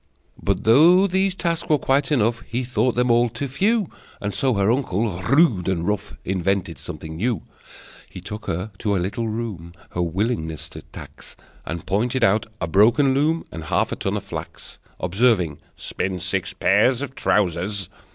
But though these tasks were quite enough, He thought them all too few, And so her uncle, rude and rough, Invented something new. He took her to a little room, Her willingness to tax, And pointed out a broken loom And half a ton of flax, Observing: "Spin six pairs of trousers!"